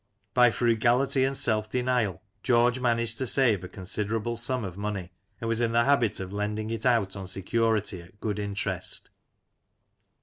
By frugality and self denial George managed to save a considerable sum of money, and was in the habit of lending it out on security at good interest.